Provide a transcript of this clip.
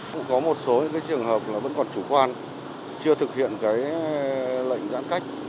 cũng có một số trường hợp là vẫn còn chủ quan chưa thực hiện cái lệnh giãn cách